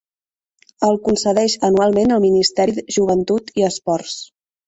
El concedeix anualment el Ministeri de Joventut i Esports.